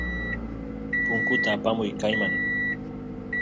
punkut apamuy kayman